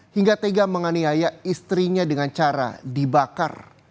hingga tega menganiaya istrinya dengan cara dibakar